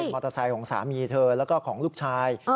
เป็นมอเตอร์ไซค์ของสามีเธอแล้วก็ของลูกชาย